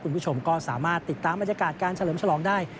คุณผู้ชมก็สามารถติดตามบรรยากาศการเฉลิมฉลองได้